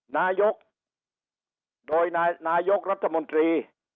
นายกโดยนายกรัฐมนตรี